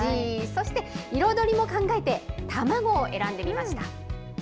そして彩りも考えて、卵を選んでみました。